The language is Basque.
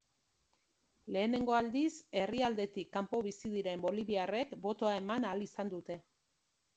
Lehenengo aldiz herrialdetik kanpo bizi diren boliviarrek botoa eman ahal izan dute.